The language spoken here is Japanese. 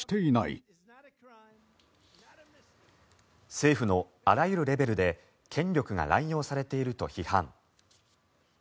政府のあらゆるレベルで権力が乱用されていると批判。